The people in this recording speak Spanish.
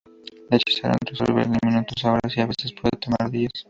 La hinchazón resuelve en minutos a horas y a veces puede tomar días.